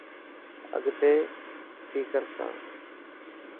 اگتي بي ڪرسان.